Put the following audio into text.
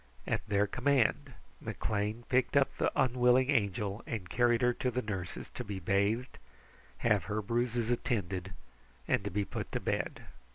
At their command, McLean picked up the unwilling Angel and carried her to the nurses to be bathed, have her bruises attended, and to be put to bed.